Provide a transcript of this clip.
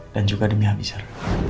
dan juga demi abisar